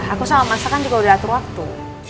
aku sama masakan juga udah atur waktu